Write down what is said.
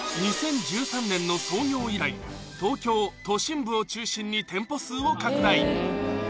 ２０１３年の創業以来東京都心部を中心に店舗数を拡大